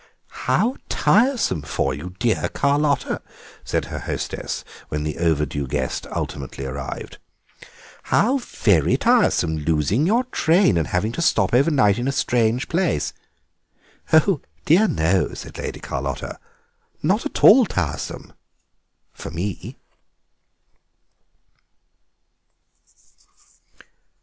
"How tiresome for you, dear Carlotta," said her hostess, when the overdue guest ultimately arrived; "how very tiresome losing your train and having to stop overnight in a strange place." "Oh dear, no," said Lady Carlotta; "not at all tiresome—for me."